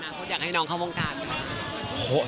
สำหรับคนอยากให้น้องเขามงตาด